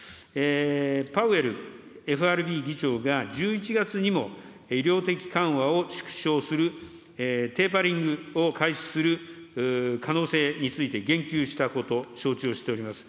パウエルＦＲＢ議長が、１１月にも、量的緩和を縮小する、テーパリングを開始する可能性について言及したこと、承知をしております。